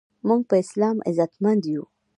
مونږ په اسلام عزتمند یو